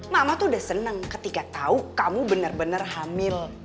mama tuh udah seneng ketika tahu kamu benar benar hamil